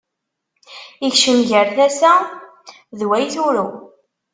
Ikcem gar tasa,d way turew.